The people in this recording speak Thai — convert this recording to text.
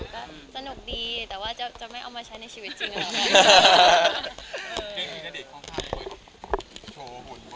ก็สนุกดีแต่ว่าจะไม่เอามาใช้ในชีวิตจริงนะครับ